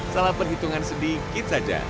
salah perhitungan sedikit saja